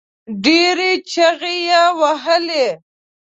ډېرې چيغې يې وهلې.